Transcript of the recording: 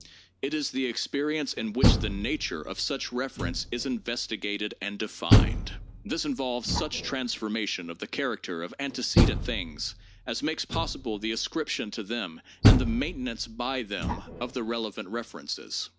It is the experience in which the nature of such reference is investigated and denned. This involves such transformation of the character of ante cedent things as makes possible the ascription to them and the main tenance by them of the relevant references.